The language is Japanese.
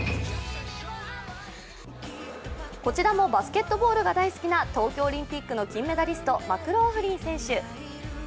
こちらもバスケットボールが大好きな東京オリンピックの金メダリスト、マクローフリン選手。